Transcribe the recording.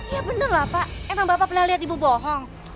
ya bener lah pak emang bapak pernah lihat ibu bohong